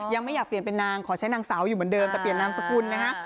ยังไม่อยากเปลี่ยนเป็นนางขอใช้นางสาวอยู่เหมือนเดิมแต่เปลี่ยนนามสกุลนะฮะ